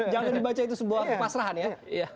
jangan dibaca itu sebuah kepasrahan ya